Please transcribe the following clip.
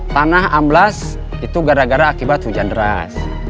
tanah amblas itu gara gara akibat hujan deras